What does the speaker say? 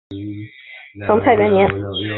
成泰元年。